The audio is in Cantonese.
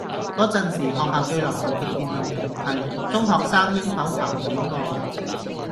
嗰陣時學校最流行嘅辯論題目係：中學生應否談戀愛?